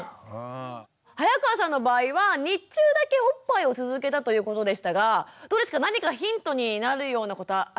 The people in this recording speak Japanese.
早川さんの場合は日中だけおっぱいを続けたということでしたがどうですか何かヒントになるようなことはありました？